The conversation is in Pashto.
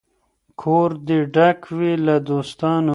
کور دي ډک وي له دوستانو